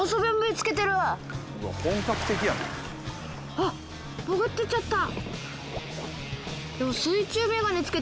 あっ潜ってっちゃった。